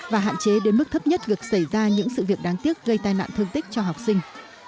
và hạn chế đến mức thấp nhất việc xảy ra những sự việc đáng tiếc gây tai nạn thương tích cho học sinh